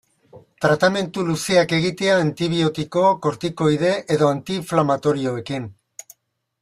Tratamendu luzeak egitea antibiotiko, kortikoide edo anti-inflamatorioekin.